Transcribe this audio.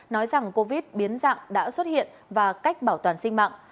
nói rằng covid biến dạng đã xuất hiện và cách bảo toàn sinh mạng